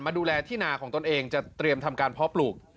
ดูแลที่นาของตนเองจะเตรียมทำการเพาะปลูก